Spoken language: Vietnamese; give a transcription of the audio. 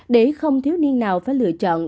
để không thiếu niên nào phải lựa chọn